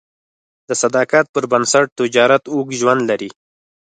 د صداقت پر بنسټ تجارت اوږد ژوند لري.